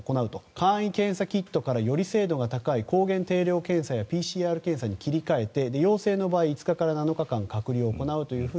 簡易検査キットからより精度が高い抗原定量検査やＰＣＲ検査に切り替えて陽性の場合、５日から７日間隔離を行うと。